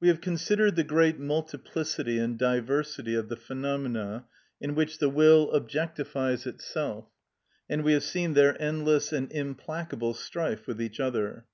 We have considered the great multiplicity and diversity of the phenomena in which the will objectifies itself, and we have seen their endless and implacable strife with each other.